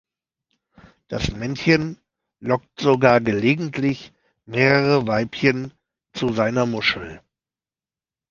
Das Männchen lockt sogar gelegentlich mehrere Weibchen zu seiner Muschel.